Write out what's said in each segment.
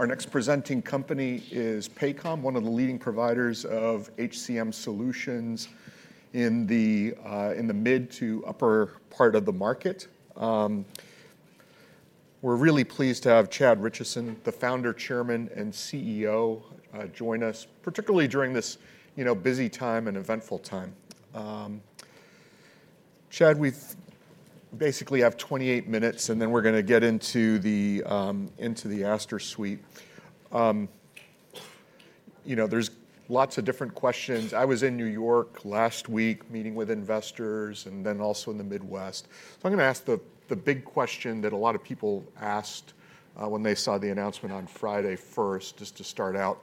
Our next presenting company is Paycom, one of the leading providers of HCM solutions in the, in the mid to upper part of the market. We're really pleased to have Chad Richison, the Founder, Chairman, and CEO, join us, particularly during this, you know, busy time and eventful time. Chad, we basically have 28 minutes, and then we're gonna get into the, into the Astor Suite. You know, there's lots of different questions. I was in New York last week meeting with investors and then also in the Midwest. So I'm gonna ask the big question that a lot of people asked, when they saw the announcement on Friday first, just to start out.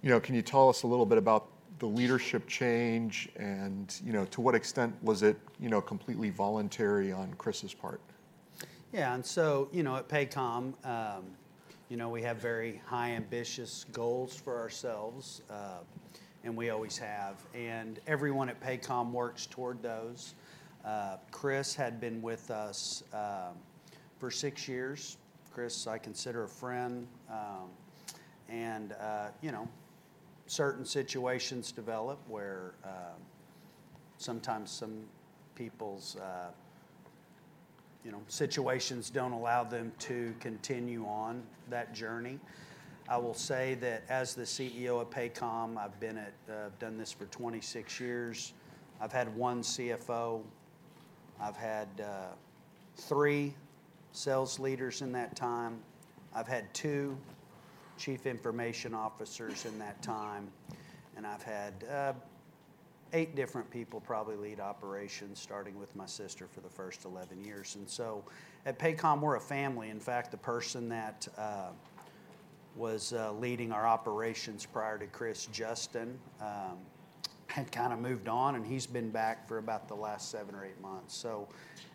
You know, can you tell us a little bit about the leadership change and, you know, to what extent was it, you know, completely voluntary on Chris's part? Yeah, and so, you know, at Paycom, you know, we have very high ambitious goals for ourselves, and we always have, and everyone at Paycom works toward those. Chris had been with us for six years. Chris, I consider a friend. And, you know, certain situations develop where sometimes some people's, you know, situations don't allow them to continue on that journey. I will say that as the CEO of Paycom, I've been at. I've done this for 26 years. I've had one CFO, I've had three sales leaders in that time, I've had two chief information officers in that time, and I've had eight different people probably lead operations, starting with my sister for the first 11 years. And so at Paycom, we're a family. In fact, the person that was leading our operations prior to Chris, Justin, had kind of moved on, and he's been back for about the last seven or eight months. So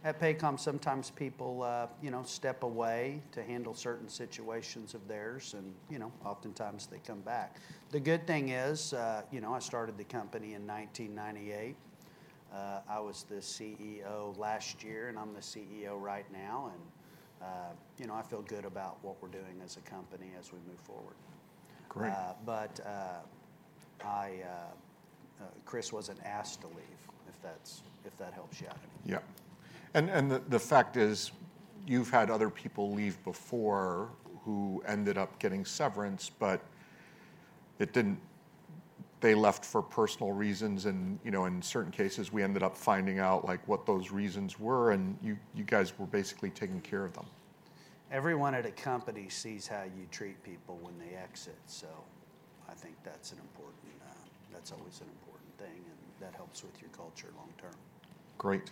at Paycom, sometimes people, you know, step away to handle certain situations of theirs, and, you know, oftentimes they come back. The good thing is, you know, I started the company in 1998. I was the CEO last year, and I'm the CEO right now, and, you know, I feel good about what we're doing as a company, as we move forward. Great. But Chris wasn't asked to leave, if that helps you out. Yeah. And the fact is, you've had other people leave before who ended up getting severance, but it didn't. They left for personal reasons and, you know, in certain cases, we ended up finding out, like, what those reasons were, and you guys were basically taking care of them. Everyone at a company sees how you treat people when they exit, so I think that's an important, that's always an important thing, and that helps with your culture long term. Great.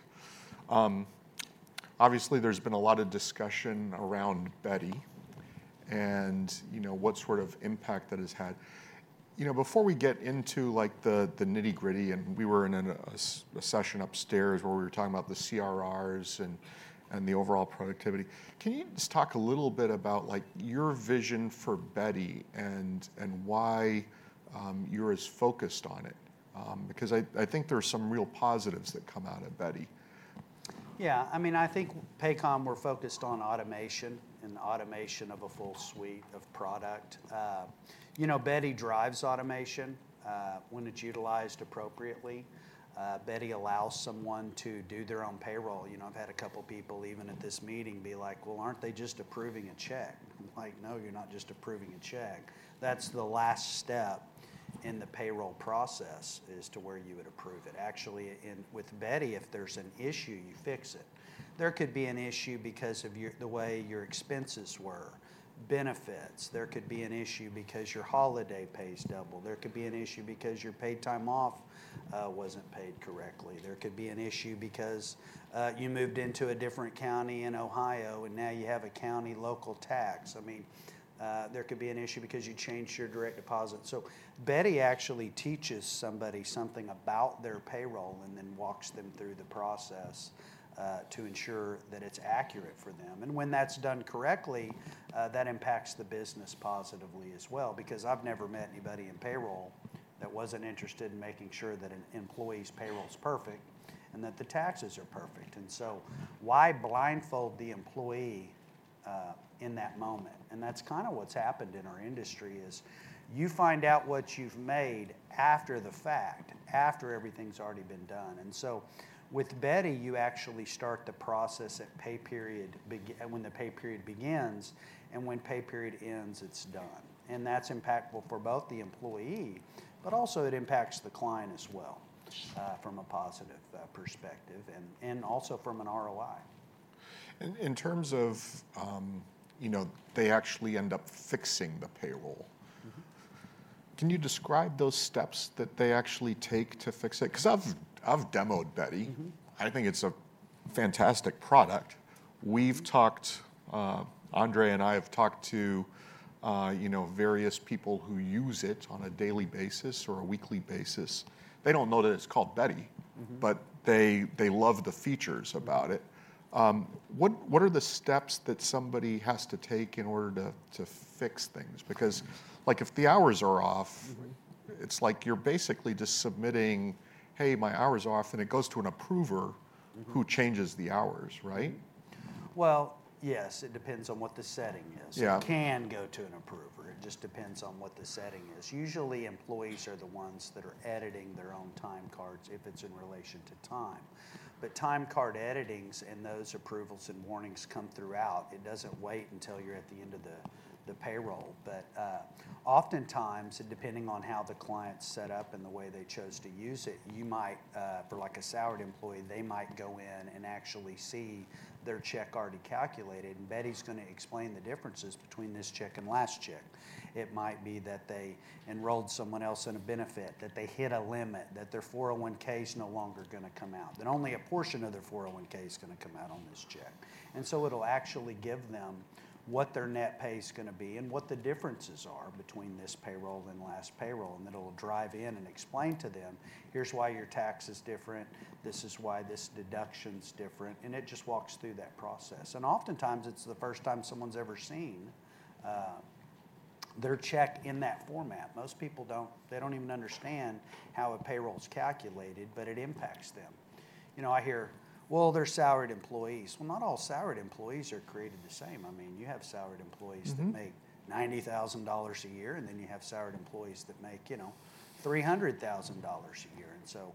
Obviously, there's been a lot of discussion around Beti, and, you know, what sort of impact that has had. You know, before we get into, like, the nitty-gritty, and we were in a session upstairs where we were talking about the CRRs and the overall productivity, can you just talk a little bit about, like, your vision for Beti and why you're as focused on it? Because I think there are some real positives that come out of Beti. Yeah. I mean, I think Paycom, we're focused on automation and automation of a full suite of product. You know, Beti drives automation. When it's utilized appropriately, Beti allows someone to do their own payroll. You know, I've had a couple people, even at this meeting, be like: "Well, aren't they just approving a check?" I'm like: "No, you're not just approving a check." That's the last step in the payroll process, is to where you would approve it. Actually, with Beti, if there's an issue, you fix it. There could be an issue because of your, the way your expenses were, benefits. There could be an issue because your holiday pay's double. There could be an issue because your paid time off wasn't paid correctly. There could be an issue because you moved into a different county in Ohio, and now you have a county local tax. I mean, there could be an issue because you changed your direct deposit. So Beti actually teaches somebody something about their payroll and then walks them through the process to ensure that it's accurate for them. And when that's done correctly, that impacts the business positively as well. Because I've never met anybody in payroll that wasn't interested in making sure that an employee's payroll is perfect and that the taxes are perfect. And so why blindfold the employee in that moment? And that's kind of what's happened in our industry, is you find out what you've made after the fact, after everything's already been done. And so with Beti, you actually start the process when the pay period begins, and when pay period ends, it's done. And that's impactful for both the employee, but also it impacts the client as well, from a positive perspective, and also from an ROI. In terms of, you know, they actually end up fixing the payroll- Mm-hmm. Can you describe those steps that they actually take to fix it? 'Cause I've demoed Beti. Mm-hmm. I think it's a fantastic product. Mm-hmm. We've talked, Andrej and I have talked to, you know, various people who use it on a daily basis or a weekly basis. They don't know that it's called Beti- Mm-hmm But they, they love the features about it. What, what are the steps that somebody has to take in order to, to fix things? Because, like, if the hours are off- Mm-hmm. It's like you're basically just submitting, "Hey, my hour's off," and it goes to an approver... who changes the hours, right? Well, yes, it depends on what the setting is. Yeah. It can go to an approver. It just depends on what the setting is. Usually, employees are the ones that are editing their own time cards if it's in relation to time. But time card editings and those approvals and warnings come throughout. It doesn't wait until you're at the end of the payroll. But, oftentimes, and depending on how the client's set up and the way they chose to use it, you might... For like a salaried employee, they might go in and actually see their check already calculated, and Beti's gonna explain the differences between this check and last check. It might be that they enrolled someone else in a benefit, that they hit a limit, that their 401 is no longer gonna come out, that only a portion of their 401 is gonna come out on this check. So it'll actually give them what their net pay is gonna be and what the differences are between this payroll and last payroll, and it'll drive in and explain to them, "Here's why your tax is different. This is why this deduction's different," and it just walks through that process. And oftentimes, it's the first time someone's ever seen their check in that format. Most people don't even understand how a payroll is calculated, but it impacts them. You know, I hear, "Well, they're salaried employees." Well, not all salaried employees are created the same. I mean, you have salaried employees- Mm-hmm That make $90,000 a year, and then you have salaried employees that make, you know, $300,000 a year. And so,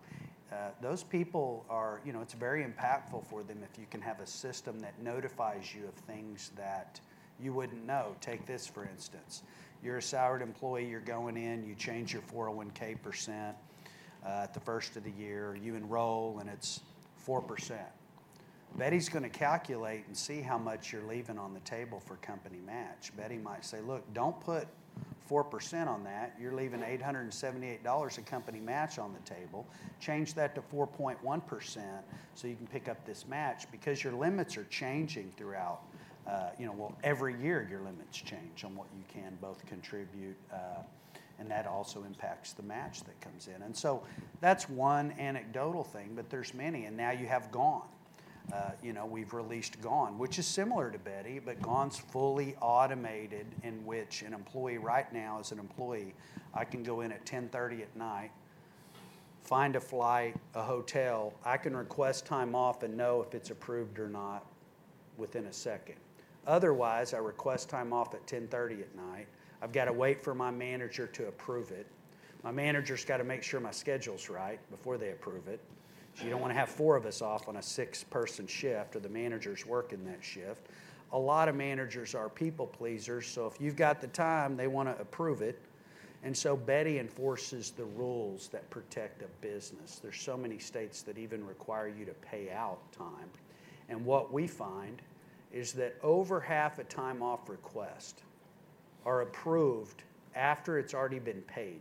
those people are... You know, it's very impactful for them if you can have a system that notifies you of things that you wouldn't know. Take this, for instance, you're a salaried employee, you're going in, you change your 401(k) percent at the first of the year. You enroll, and it's 4%. Beti's gonna calculate and see how much you're leaving on the table for company match. Beti might say, "Look, don't put 4% on that. You're leaving $878 in company match on the table. Change that to 4.1%, so you can pick up this match," because your limits are changing throughout... You know, well, every year, your limits change on what you can both contribute, and that also impacts the match that comes in. And so that's one anecdotal thing, but there's many, and now you have GONE. You know, we've released GONE, which is similar to Beti, but GONE's fully automated, in which an employee right now, as an employee, I can go in at 10:30 P.M., find a flight, a hotel. I can request time off and know if it's approved or not within a second. Otherwise, I request time off at 10:30 P.M. I've got to wait for my manager to approve it. My manager's got to make sure my schedule's right before they approve it. Mm-hmm. So you don't want to have 4 of us off on a 6-person shift, or the manager's working that shift. A lot of managers are people pleasers, so if you've got the time, they wanna approve it. And so Beti enforces the rules that protect a business. There's so many states that even require you to pay out time. And what we find is that over half of time-off requests are approved after it's already been paid.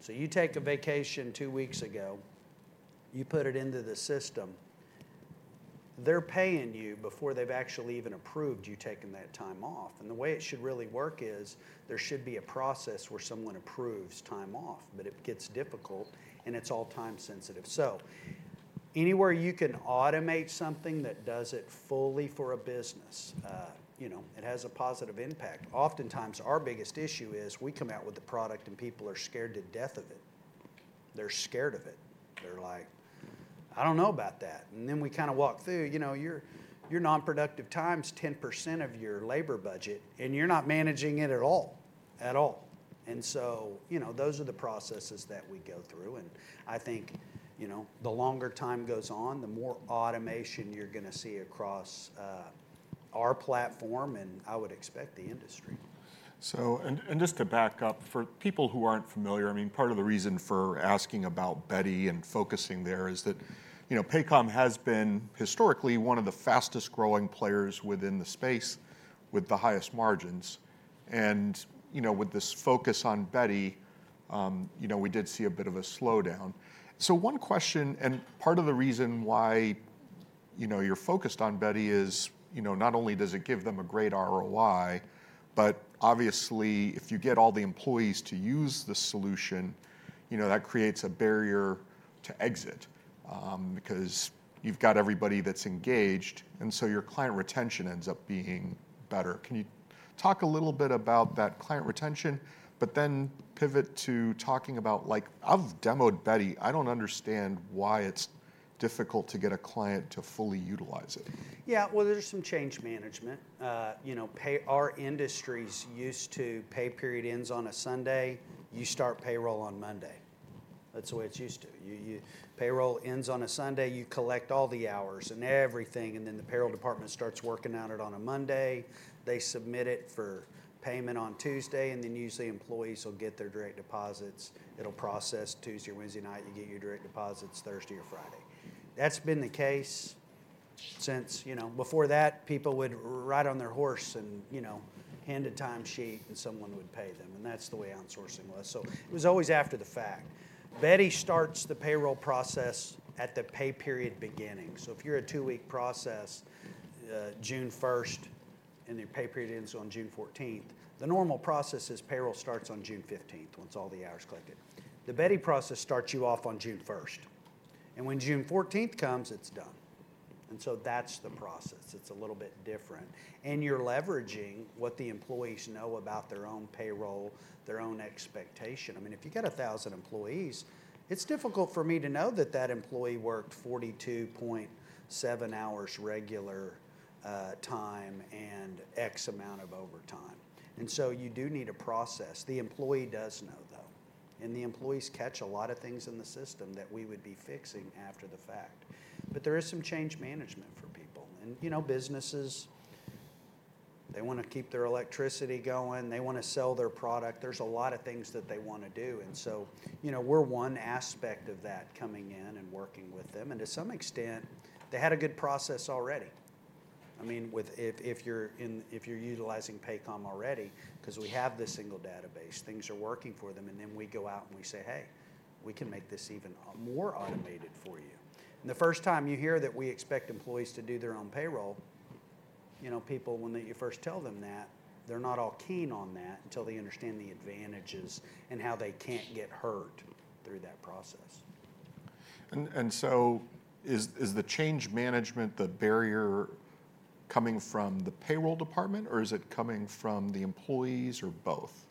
So you take a vacation 2 weeks ago, you put it into the system, they're paying you before they've actually even approved you taking that time off. And the way it should really work is there should be a process where someone approves time off, but it gets difficult, and it's all time-sensitive. Anywhere you can automate something that does it fully for a business, you know, it has a positive impact. Oftentimes, our biggest issue is we come out with a product, and people are scared to death of it. They're scared of it. They're like: "I don't know about that." And then we kinda walk through, "You know, your, your non-productive time's 10% of your labor budget, and you're not managing it at all. At all." And so, you know, those are the processes that we go through, and I think, you know, the longer time goes on, the more automation you're gonna see across our platform, and I would expect the industry. Just to back up, for people who aren't familiar, I mean, part of the reason for asking about Beti and focusing there is that, you know, Paycom has been historically one of the fastest-growing players within the space with the highest margins. And, you know, with this focus on Beti, you know, we did see a bit of a slowdown. So one question, and part of the reason why, you know, you're focused on Beti is, you know, not only does it give them a great ROI, but obviously, if you get all the employees to use the solution, you know, that creates a barrier to exit, because you've got everybody that's engaged, and so your client retention ends up being better. Can you talk a little bit about that client retention, but then pivot to talking about, like... I've demoed Beti. I don't understand why it's difficult to get a client to fully utilize it. Yeah. Well, there's some change management. You know, our industries used to, pay period ends on a Sunday, you start payroll on Monday. That's the way it's used to. Payroll ends on a Sunday, you collect all the hours and everything, and then the payroll department starts working on it on a Monday. They submit it for payment on Tuesday, and then usually, employees will get their direct deposits. It'll process Tuesday or Wednesday night. You get your direct deposits Thursday or Friday. That's been the case since, you know. Before that, people would ride on their horse and, you know, hand a time sheet, and someone would pay them, and that's the way outsourcing was. So it was always after the fact. Beti starts the payroll process at the pay period beginning. So if you're a two-week process, June first, and your pay period ends on June fourteenth, the normal process is payroll starts on June fifteenth, once all the hours collected. The Beti process starts you off on June first, and when June fourteenth comes, it's done. And so that's the process. It's a little bit different. And you're leveraging what the employees know about their own payroll, their own expectation. I mean, if you've got 1,000 employees, it's difficult for me to know that that employee worked 42.7 hours regular time, and X amount of overtime. And so you do need a process. The employee does know, though, and the employees catch a lot of things in the system that we would be fixing after the fact. But there is some change management for people. And, you know, businesses, they wanna keep their electricity going. They wanna sell their product. There's a lot of things that they wanna do, and so, you know, we're one aspect of that, coming in and working with them. And to some extent, they had a good process already. I mean, with if you're utilizing Paycom already, 'cause we have this single database, things are working for them, and then we go out and we say, "Hey, we can make this even more automated for you." And the first time you hear that we expect employees to do their own payroll, you know, people, when you first tell them that, they're not all keen on that until they understand the advantages and how they can't get hurt through that process. So, is the change management the barrier coming from the payroll department, or is it coming from the employees, or both?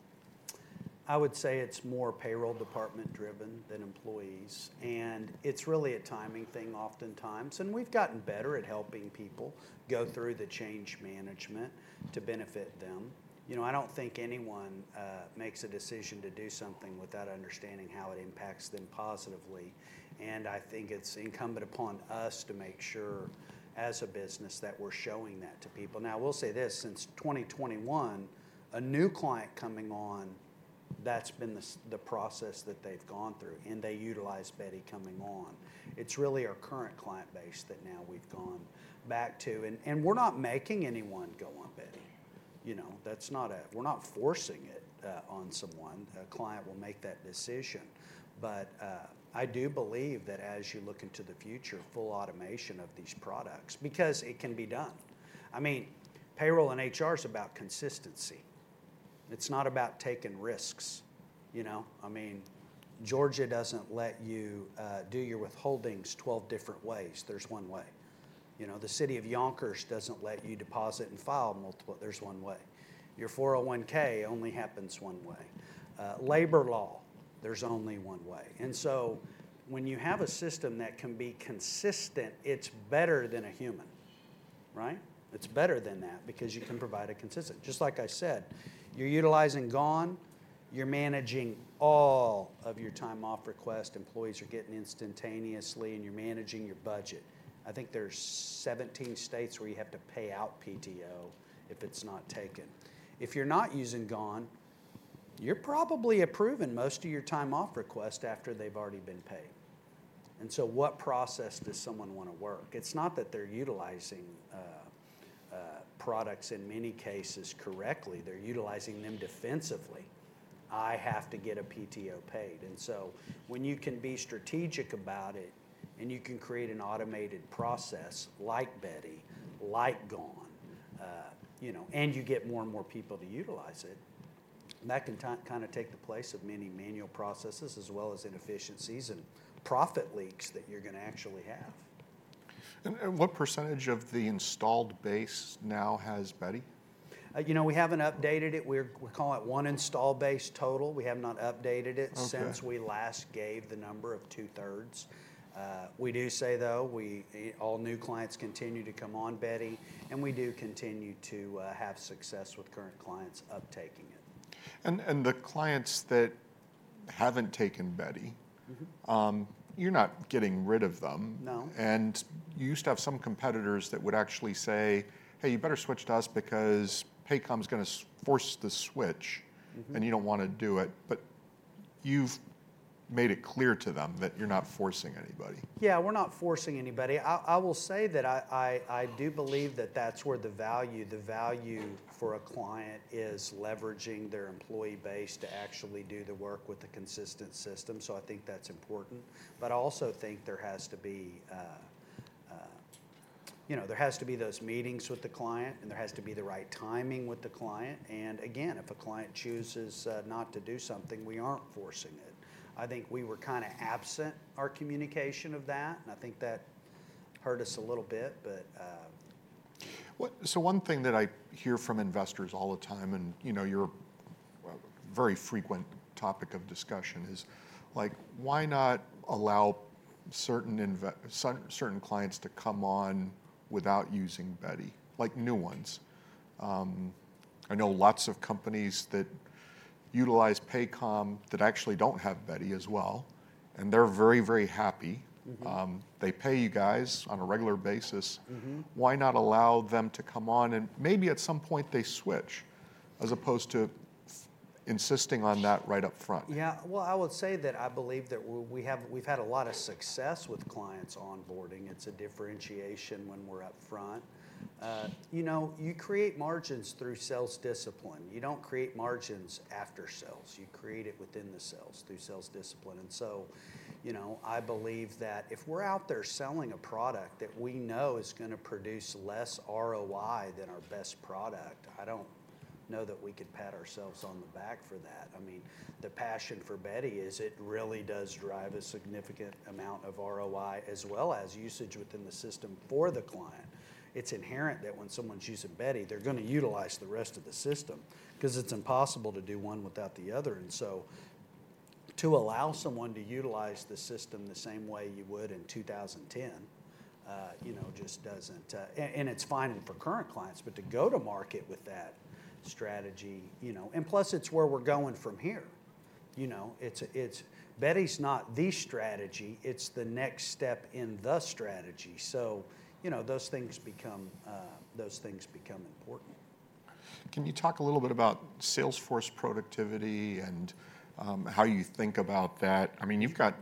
I would say it's more payroll department driven than employees, and it's really a timing thing oftentimes, and we've gotten better at helping people go through the change management to benefit them. You know, I don't think anyone makes a decision to do something without understanding how it impacts them positively, and I think it's incumbent upon us to make sure, as a business, that we're showing that to people. Now, I will say this, since 2021, a new client coming on, that's been the process that they've gone through, and they utilize Beti coming on. It's really our current client base that now we've gone back to. And we're not making anyone go on Beti, you know? That's not. We're not forcing it on someone. A client will make that decision. But, I do believe that as you look into the future, full automation of these products... Because it can be done. I mean, payroll and HR is about consistency. It's not about taking risks, you know? I mean, Georgia doesn't let you, do your withholdings 12 different ways. There's one way. You know, the city of Yonkers doesn't let you deposit and file multiple... There's one way. Your 401 only happens one way. Labor law, there's only one way. And so when you have a system that can be consistent, it's better than a human, right? It's better than that because you can provide a consistent... Just like I said, you're utilizing GONE. You're managing all of your time-off requests. Employees are getting instantaneously, and you're managing your budget. I think there's 17 states where you have to pay out PTO if it's not taken. If you're not using GONE, you're probably approving most of your time-off requests after they've already been paid. And so what process does someone wanna work? It's not that they're utilizing products in many cases correctly. They're utilizing them defensively. "I have to get a PTO paid." And so when you can be strategic about it, and you can create an automated process like Beti, like GONE, you know, and you get more and more people to utilize it, that can kind of take the place of many manual processes, as well as inefficiencies and profit leaks that you're gonna actually have. And what percentage of the installed base now has Beti? You know, we haven't updated it. We call it one installed base total. We have not updated it. Okay Since we last gave the number of 2/3. We do say, though, we all new clients continue to come on Beti, and we do continue to have success with current clients uptaking it. the clients that haven't taken Beti- Mm-hmm You're not getting rid of them. No. You used to have some competitors that would actually say, "Hey, you better switch to us because Paycom's gonna force the switch- Mm-hmm And you don't wanna do it. But you've made it clear to them that you're not forcing anybody. Yeah, we're not forcing anybody. I will say that I do believe that that's where the value, the value for a client is leveraging their employee base to actually do the work with a consistent system, so I think that's important. But I also think there has to be... You know, there has to be those meetings with the client, and there has to be the right timing with the client. And again, if a client chooses not to do something, we aren't forcing it. I think we were kind of absent our communication of that, and I think that hurt us a little bit, but- So one thing that I hear from investors all the time, and, you know, you're a very frequent topic of discussion, is like, why not allow certain clients to come on without using Beti, like new ones? I know lots of companies that utilize Paycom that actually don't have Beti as well, and they're very, very happy. Mm-hmm. They pay you guys on a regular basis. Mm-hmm. Why not allow them to come on, and maybe at some point they switch, as opposed to insisting on that right up front? Yeah. Well, I would say that I believe that we've had a lot of success with clients onboarding. It's a differentiation when we're up front. You know, you create margins through sales discipline. You don't create margins after sales. You create it within the sales, through sales discipline. And so, you know, I believe that if we're out there selling a product that we know is gonna produce less ROI than our best product, I don't know that we could pat ourselves on the back for that. I mean, the passion for Beti is it really does drive a significant amount of ROI, as well as usage within the system for the client. It's inherent that when someone's using Beti, they're gonna utilize the rest of the system, 'cause it's impossible to do one without the other. And so to allow someone to utilize the system the same way you would in 2010, you know, just doesn't, and it's fine for current clients, but to go to market with that strategy, you know... And plus, it's where we're going from here. You know, it's, it's- Beti's not the strategy, it's the next step in the strategy. So, you know, those things become, those things become important. Can you talk a little bit about sales force productivity and how you think about that? I mean, you've got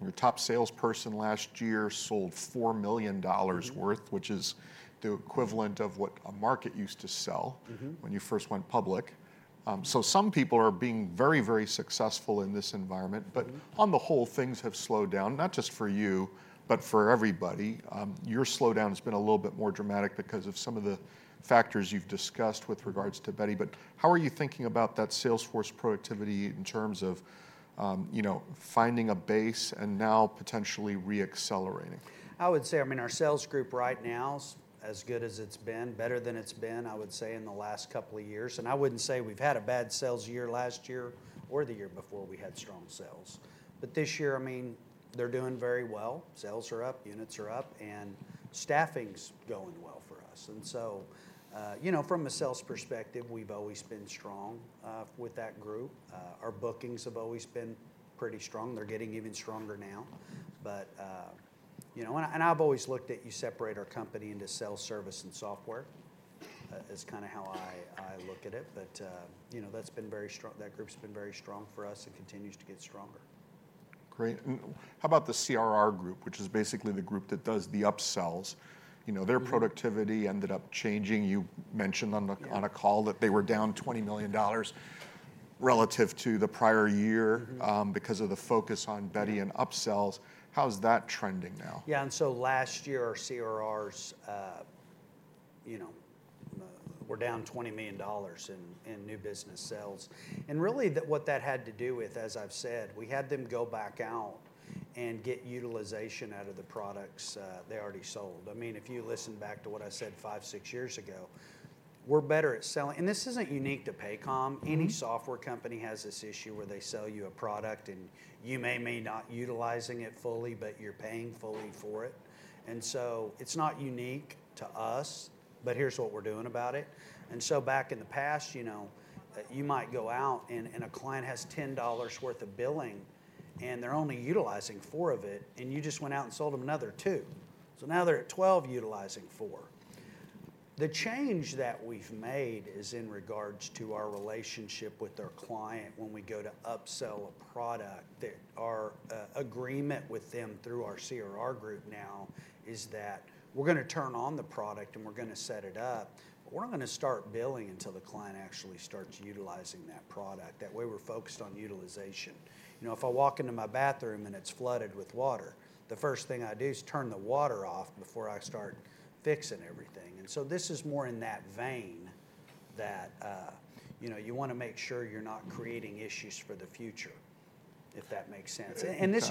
your top salesperson last year sold $4 million worth- Mm-hmm Which is the equivalent of what a market used to sell- Mm-hmm When you first went public. So some people are being very, very successful in this environment. Mm-hmm. But on the whole, things have slowed down, not just for you, but for everybody. Your slowdown has been a little bit more dramatic because of some of the factors you've discussed with regards to Beti. But how are you thinking about that sales force productivity in terms of, you know, finding a base, and now potentially re-accelerating? I would say, I mean, our sales group right now is as good as it's been, better than it's been, I would say, in the last couple of years. And I wouldn't say we've had a bad sales year last year or the year before; we had strong sales. But this year, I mean, they're doing very well. Sales are up, units are up, and staffing's going well for us. And so, you know, from a sales perspective, we've always been strong with that group. Our bookings have always been pretty strong. They're getting even stronger now. But, you know, and, and I've always looked at—you separate our company into sales, service, and software. It is kinda how I, I look at it. But, you know, that's been very strong—that group's been very strong for us and continues to get stronger. Great. And how about the CRR group, which is basically the group that does the upsells? You know, their- Mm Productivity ended up changing. You mentioned on a- Yeah On a call that they were down $20 million relative to the prior year- Mm-hmm. Because of the focus on Beti- Yeah And upsells. How's that trending now? Yeah, and so last year, our CRRs, you know, were down $20 million in new business sales. And really, what that had to do with, as I've said, we had them go back out and get utilization out of the products they already sold. I mean, if you listen back to what I said five, six years ago, we're better at selling... And this isn't unique to Paycom. Mm-hmm. Any software company has this issue where they sell you a product, and you may or may not be utilizing it fully, but you're paying fully for it. It's not unique to us, but here's what we're doing about it. Back in the past, you know, you might go out and a client has $10 worth of billing, and they're only utilizing 4 of it, and you just went out and sold them another 2. So now they're at 12, utilizing 4. The change that we've made is in regards to our relationship with their client when we go to upsell a product, that our agreement with them through our CRR group now is that we're gonna turn on the product, and we're gonna set it up, but we're not gonna start billing until the client actually starts utilizing that product. That way, we're focused on utilization. You know, if I walk into my bathroom and it's flooded with water, the first thing I do is turn the water off before I start fixing everything. And so this is more in that vein, that, you know, you wanna make sure you're not creating issues for the future, if that makes sense. It does.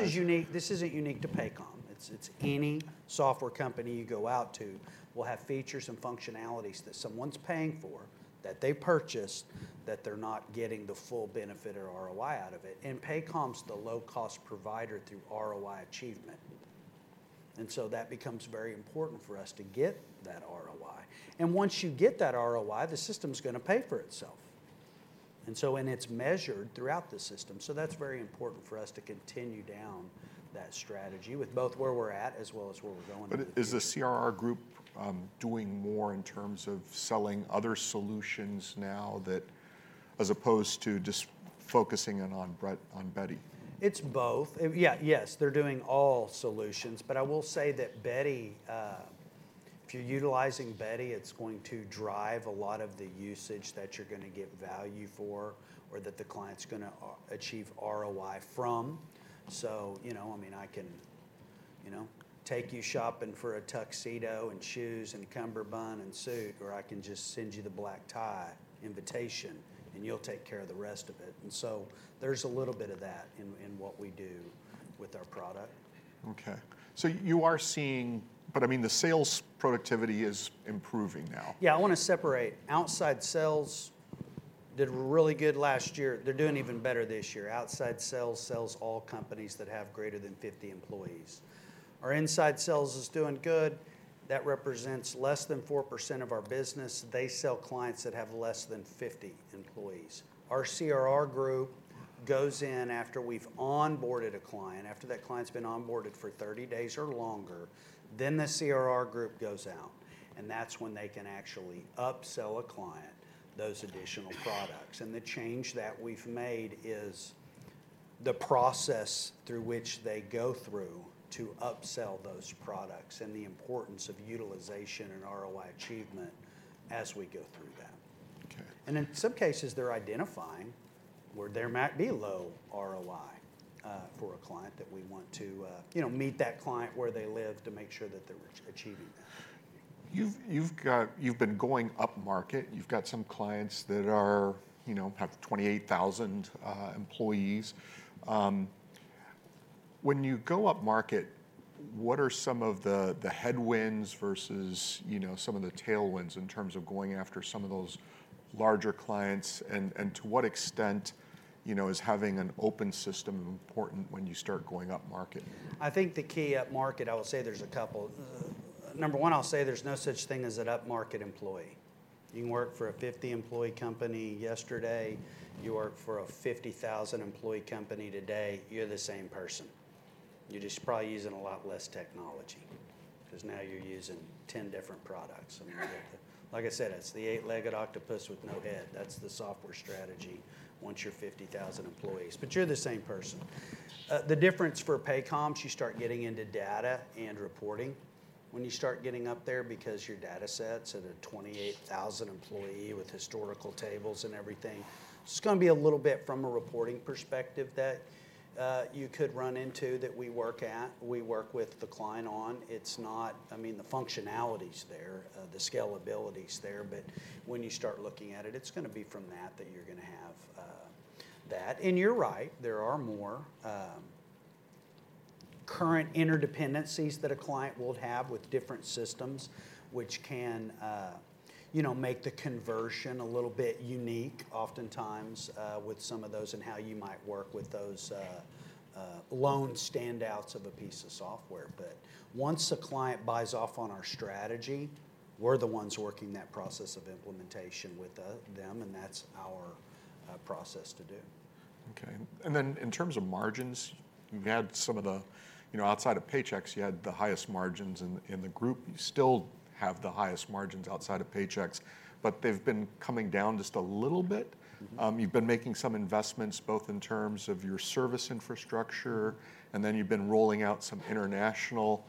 This isn't unique to Paycom. It's, it's any software company you go out to will have features and functionalities that someone's paying for, that they purchased, that they're not getting the full benefit or ROI out of it. Paycom's the low-cost provider through ROI achievement, and so that becomes very important for us to get that ROI. Once you get that ROI, the system's gonna pay for itself. And so and it's measured throughout the system, so that's very important for us to continue down that strategy with both where we're at, as well as where we're going with it. But is the CRR group doing more in terms of selling other solutions now that... as opposed to just focusing in on Beti? It's both. Yeah, yes, they're doing all solutions. But I will say that Beti, if you're utilizing Beti, it's going to drive a lot of the usage that you're gonna get value for or that the client's gonna achieve ROI from. So, you know, I mean, I can, you know, take you shopping for a tuxedo and shoes and cummerbund and suit, or I can just send you the black tie invitation, and you'll take care of the rest of it. And so there's a little bit of that in what we do with our product. Okay. So you are seeing... But I mean, the sales productivity is improving now? Yeah, I wanna separate. Outside sales did really good last year. They're doing even better this year. Outside sales sells all companies that have greater than 50 employees. Our inside sales is doing good. That represents less than 4% of our business. They sell clients that have less than 50 employees. Our CRR group goes in after we've onboarded a client, after that client's been onboarded for 30 days or longer, then the CRR group goes out, and that's when they can actually upsell a client those additional products. And the change that we've made is the process through which they go through to upsell those products and the importance of utilization and ROI achievement as we go through that. Okay. In some cases, they're identifying where there might be low ROI for a client that we want to, you know, meet that client where they live to make sure that they're achieving that. You've been going upmarket. You've got some clients that are, you know, have 28,000 employees. When you go upmarket, what are some of the headwinds versus, you know, some of the tailwinds in terms of going after some of those larger clients? And to what extent, you know, is having an open system important when you start going upmarket? I think the key upmarket, I will say there's a couple. Number one, I'll say there's no such thing as an upmarket employee. You can work for a 50-employee company yesterday, you work for a 50,000-employee company today, you're the same person. You're just probably using a lot less technology, 'cause now you're using 10 different products. I mean, like I said, it's the eight-legged octopus with no head. That's the software strategy once you're 50,000 employees, but you're the same person. The difference for Paycom's, you start getting into data and reporting when you start getting up there, because your data sets at a 28,000-employee with historical tables and everything, it's gonna be a little bit from a reporting perspective that, you could run into that we work at, we work with the client on. It's not... I mean, the functionality's there, the scalability's there, but when you start looking at it, it's gonna be from that, that you're gonna have, that. And you're right, there are more, current interdependencies that a client will have with different systems, which can, you know, make the conversion a little bit unique, oftentimes, with some of those and how you might work with those, lone standouts of a piece of software. But once a client buys off on our strategy, we're the ones working that process of implementation with, them, and that's our, process to do. Okay. And then in terms of margins, you've had some of the... You know, outside of Paychex, you had the highest margins in the group. You still have the highest margins outside of Paychex, but they've been coming down just a little bit. Mm-hmm. You've been making some investments, both in terms of your service infrastructure, and then you've been rolling out some international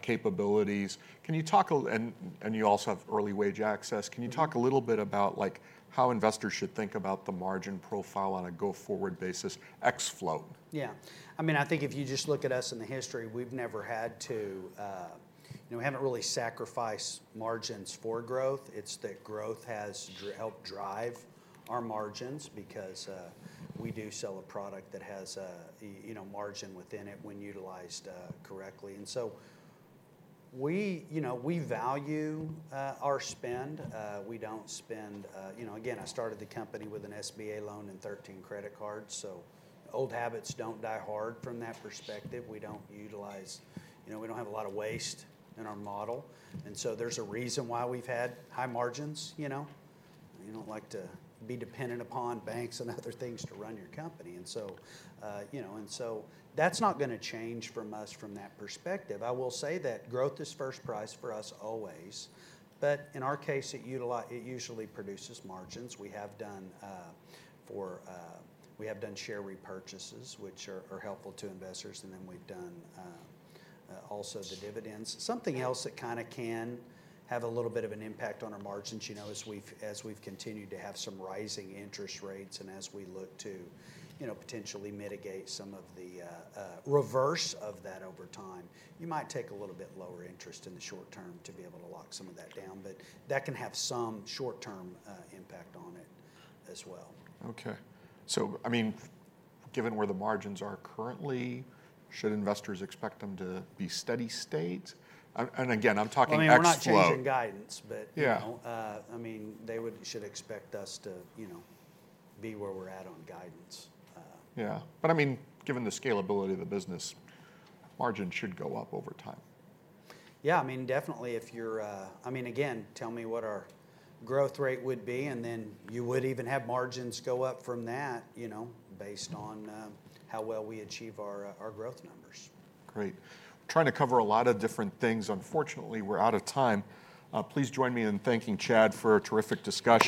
capabilities. Can you talk and, and you also have early wage access. Mm-hmm. Can you talk a little bit about, like, how investors should think about the margin profile on a go-forward basis, ex float? Yeah. I mean, I think if you just look at us in the history, we've never had to. You know, we haven't really sacrificed margins for growth. It's that growth has helped drive our margins because we do sell a product that has a, you know, margin within it when utilized correctly. And so we, you know, we value our spend. We don't spend. You know, again, I started the company with an SBA loan and 13 credit cards, so old habits don't die hard from that perspective. We don't utilize, you know, we don't have a lot of waste in our model, and so there's a reason why we've had high margins, you know? You don't like to be dependent upon banks and other things to run your company. And so, you know, and so that's not gonna change from us from that perspective. I will say that growth is first prize for us always, but in our case, it usually produces margins. We have done share repurchases, which are helpful to investors, and then we've done also the dividends. Something else that kinda can have a little bit of an impact on our margins, you know, as we've continued to have some rising interest rates and as we look to, you know, potentially mitigate some of the reverse of that over time, you might take a little bit lower interest in the short term to be able to lock some of that down, but that can have some short-term impact on it as well. Okay. So, I mean, given where the margins are currently, should investors expect them to be steady state? And again, I'm talking ex float. Well, I mean, we're not issuing guidance, but- Yeah I mean, they should expect us to, you know, be where we're at on guidance. Yeah. But I mean, given the scalability of the business, margins should go up over time. Yeah, I mean, definitely, if you're. I mean, again, tell me what our growth rate would be, and then you would even have margins go up from that, you know, based on how well we achieve our our growth numbers. Great. Trying to cover a lot of different things. Unfortunately, we're out of time. Please join me in thanking Chad for a terrific discussion.